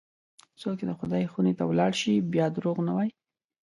څوک چې د خدای خونې ته ولاړ شي، بیا دروغ نه وایي.